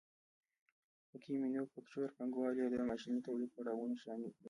پکې مینوفکچور پانګوالي او د ماشیني تولید پړاوونه شامل دي